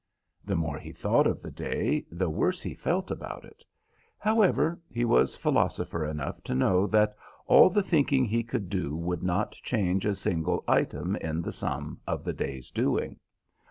The more he thought of the day the worse he felt about it. However, he was philosopher enough to know that all the thinking he could do would not change a single item in the sum of the day's doing.